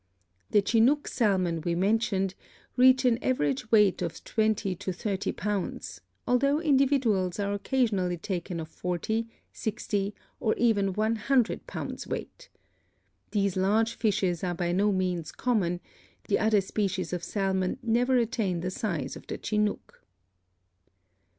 The Chinook salmon we mentioned reach an average weight of twenty to thirty pounds, although individuals are occasionally taken of forty, sixty or even one hundred pounds weight. These large fishes are by no means common, the other species of salmon never attain the size of the Chinook.